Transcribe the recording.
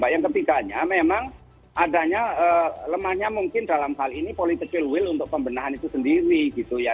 yang ketiganya memang adanya lemahnya mungkin dalam hal ini political will untuk pembenahan itu sendiri gitu ya